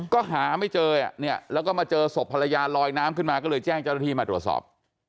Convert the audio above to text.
ก็หาไม่เจอเนี่ยแล้วก็มาเจอศพภรรยาลอยน้ำขึ้นมาก็เลยแจ้งเจ้าหน้าที่มาตรวจสอบ